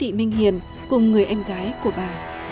chống tị minh hiền cùng người em gái của bà